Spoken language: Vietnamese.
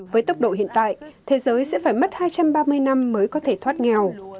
với tốc độ hiện tại thế giới sẽ phải mất hai trăm ba mươi năm mới có thể thoát nghèo